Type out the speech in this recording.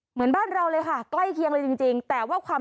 เหมือนบ้านเราเลยค่ะใกล้เคียงเลยจริงแต่ว่าความ